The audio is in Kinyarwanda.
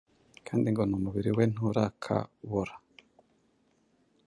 kandi ngo, n’umubiri we nturakabora.